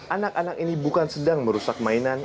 anak anak ini bukan sedang merusak mainan